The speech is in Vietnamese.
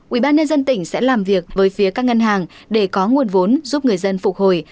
ủy ban nhân dân tỉnh sẽ làm việc với phía các ngân hàng để có nguồn vốn giúp người dân phục hồi